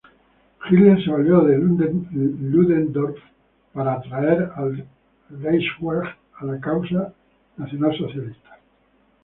Hitler se valió de Ludendorff para atraer al Reichswehr a la causa nacionalsocialista.